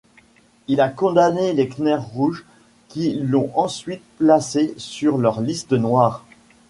Il a condamné les Khmers rouges qui l'ont ensuite placé sur leur liste noire.